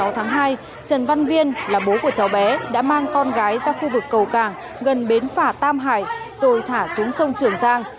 trần văn viên là bố của cháu bé đã mang con gái ra khu vực cầu cảng gần bến phả tam hải rồi thả xuống sông trường giang